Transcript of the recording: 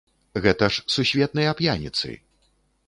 Гэта ж сусветныя п'яніцы.